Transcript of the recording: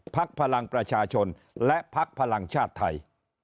พลังประชาชนและพักพลังชาติไทย